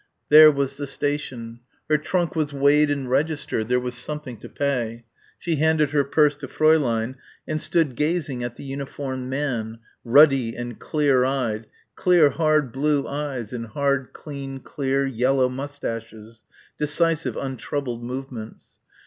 There was the station. Her trunk was weighed and registered. There was something to pay. She handed her purse to Fräulein and stood gazing at the uniformed man ruddy and clear eyed clear hard blue eyes and hard clean clear yellow moustaches decisive untroubled movements.